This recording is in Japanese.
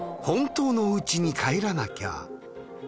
本当のおうちに帰らなきゃ。